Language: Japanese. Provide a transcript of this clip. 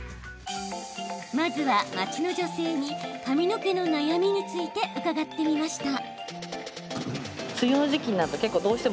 まずは街の女性に髪の毛の悩みについて伺ってみました。